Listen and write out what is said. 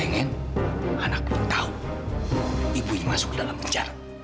lonila lagi di atas kamar